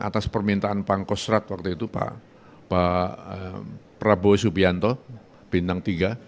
atas permintaan pangkostrat waktu itu pak prabowo subianto bintang tiga